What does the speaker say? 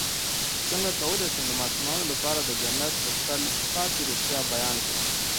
څنګه کولی شم د ماشومانو لپاره د جنت د تل پاتې روغتیا بیان کړم